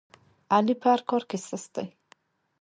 علي په هر کار کې سست دی.